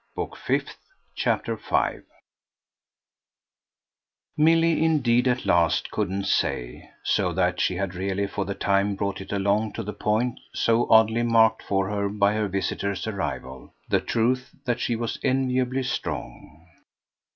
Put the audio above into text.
Book Fifth, Chapter 5 Milly indeed at last couldn't say; so that she had really for the time brought it along to the point so oddly marked for her by her visitor's arrival, the truth that she was enviably strong.